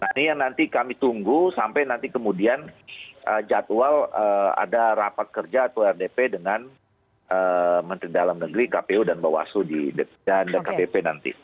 nah ini yang nanti kami tunggu sampai nanti kemudian jadwal ada rapat kerja atau rdp dengan menteri dalam negeri kpu dan bawaslu di dkpp nanti